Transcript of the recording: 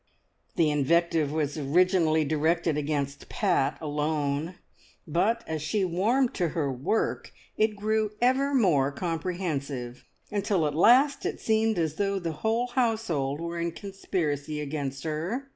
The invective was originally directed against Pat alone, but as she warmed to her work it grew ever more comprehensive, until at last it seemed as though the whole household were in conspiracy against her.